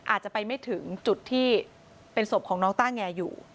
อาจจะไปไม่ถึงจุดที่เป็นศพของน้องต้าแงอยู่